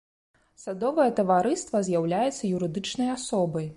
Садовае таварыства з'яўляецца юрыдычнай асобай.